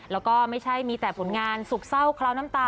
แล้วก็ไม่ใช่มีแต่ผลงานสุขเศร้าเคล้าน้ำตา